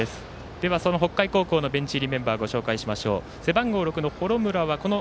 では、その北海高校のベンチ入りメンバーご紹介しましょう。